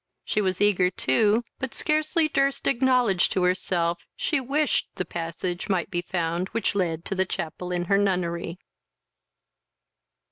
She was eager too, but scarcely durst acknowledge to herself she wished the passage might be found which led to the chapel in her nunnery.